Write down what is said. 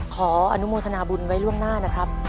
ขออนุโมทนาบุญไว้ล่วงหน้านะครับ